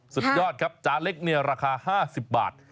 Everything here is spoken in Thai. สุดยอดครับจานเล็กเนี่ยราคา๕๐บาท